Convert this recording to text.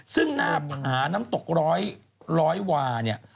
ซึ่งหน้าผาน้ำตกร้อยวาเนี่ย